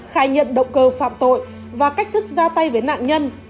khai nhận động cơ phạm tội và cách thức ra tay với nạn nhân